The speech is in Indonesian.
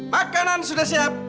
makanan sudah siap